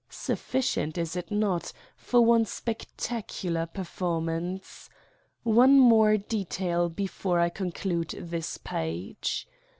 Sufficient is it not? for one spectacular performance. One more detail before I conclude this page.